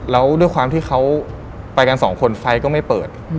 แล้วด้วยความที่เขาไปกันสองคนไฟก็ไม่เปิด